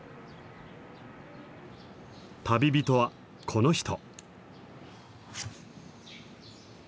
旅人はこの人。